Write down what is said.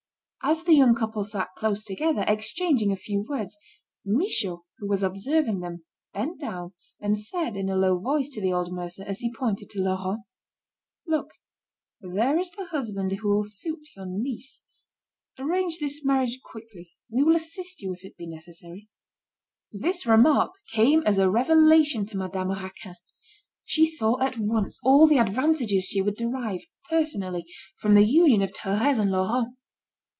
As the young couple sat close together, exchanging a few words, Michaud, who was observing them, bent down, and said in a low voice to the old mercer, as he pointed to Laurent: "Look, there is the husband who will suit your niece. Arrange this marriage quickly. We will assist you if it be necessary." This remark came as a revelation to Madame Raquin. She saw, at once, all the advantages she would derive, personally, from the union of Thérèse and Laurent.